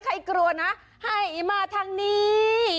ใครกลัวนะให้มาทางนี้